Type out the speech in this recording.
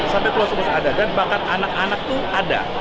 sampai ke pelosok pelosok itu ada dan bahkan anak anak itu ada